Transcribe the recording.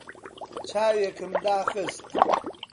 چاوێکم داخست.